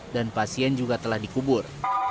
dan pasien juga telah dikubur